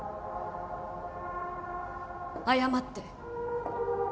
謝って。